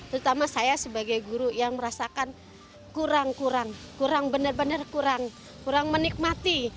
terutama saya sebagai guru yang merasakan kurang kurang benar benar kurang menikmati